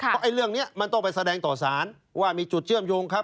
เพราะไอ้เรื่องนี้มันต้องไปแสดงต่อสารว่ามีจุดเชื่อมโยงครับ